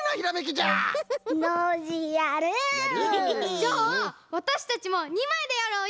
じゃあわたしたちも２まいでやろうよ！